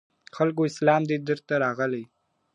خلکو اسلام دی درته راغلی ..